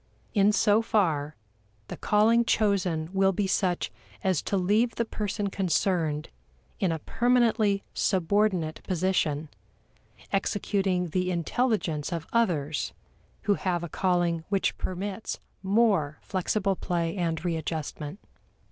In so far, the calling chosen will be such as to leave the person concerned in a permanently subordinate position, executing the intelligence of others who have a calling which permits more flexible play and readjustment.